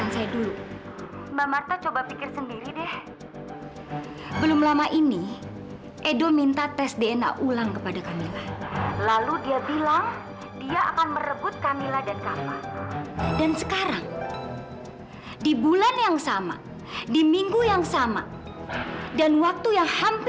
sampai jumpa di video selanjutnya